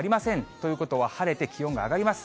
ということは晴れて気温が上がります。